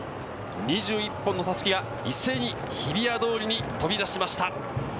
２１本の襷が一斉に日比谷通りに飛び出しました。